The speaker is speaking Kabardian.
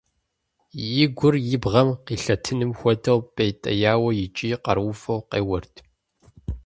И гур и бгъэм къилъэтыным хуэдэу пӀейтеяуэ икӀи къарууфӀэу къеуэрт.